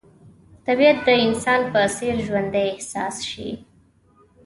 طبیعت د انسان په څېر ژوندی احساس شي.